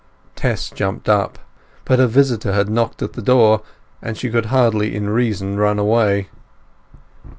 Tess jumped up, but her visitor had knocked at the door, and she could hardly in reason run away.